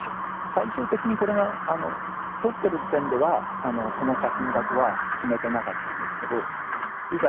最終的にこれが撮ってる時点ではその写真だとは決めてなかったんですけどいざ